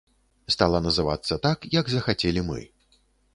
Стала называцца так, як захацелі мы.